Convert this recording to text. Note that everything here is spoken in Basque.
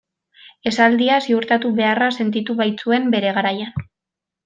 Esaldia ziurtatu beharra sentitu baitzuten bere garaian.